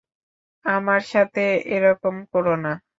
আমার সাথে এরকম করো না।